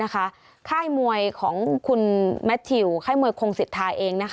ค่ายมวยของคุณแมททิวค่ายมวยคงสิทธาเอง